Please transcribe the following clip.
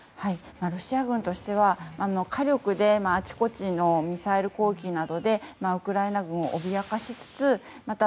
ロシア軍としては火力であちこちのミサイル攻撃などでウクライナ軍を脅かしつつまた